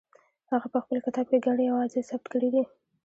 هغه په خپل کتاب کې ګڼې اوازې ثبت کړې دي.